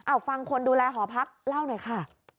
เอาฟังคนดูแลหอพักเล่าหน่อยค่ะ